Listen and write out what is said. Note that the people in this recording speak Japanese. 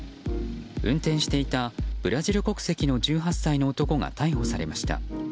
運転していたブラジル国籍の１８歳の男が逮捕されました。